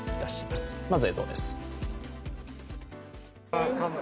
まず映像です。